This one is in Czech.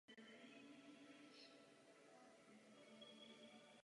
Vedl Katedru operní reprodukce na Vysoké škole múzických umění v Bratislavě.